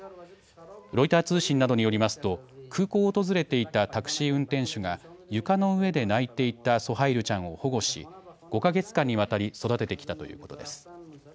ロイター通信などによりますと空港を訪れていたタクシー運転手が床の上で泣いていたソハイルちゃんを保護し５か月間にわたり育ててきたということです。